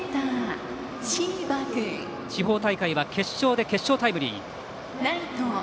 椎葉、地方大会は決勝で決勝タイムリー。